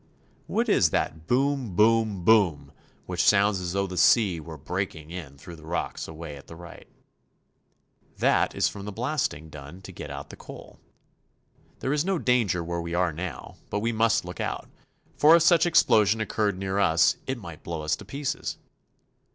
What is that boom, boom, boom which sounds as though the sea were breaking in through the rocks away at the right ? That is from the blasting done to get out the coal. There is no danger where we are now, but we must look out, for if such an explosion occurred near us it might blow us to pieces.